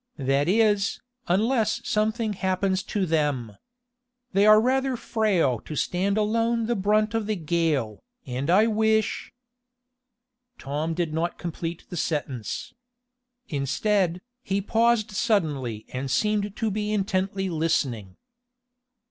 "That is, unless something happens to them. They are rather frail to stand alone the brunt of the gale, and I wish " Tom did not complete the sentence. Instead, he paused suddenly and seemed to be intently listening.